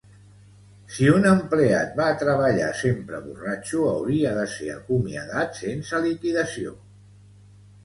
Si un empleat va a treballar sempre borratxo hauria de ser acomiadat sense liquidació